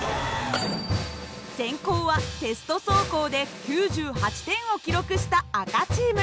先攻はテスト走行で９８点を記録した赤チーム。